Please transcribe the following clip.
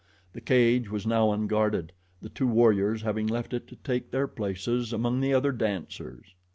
The cage was now unguarded, the two warriors having left it to take their places among the other dancers.